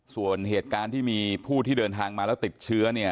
ส่วนเหตุการณ์ที่มีผู้ที่เดินทางมาแล้วติดเชื้อเนี่ย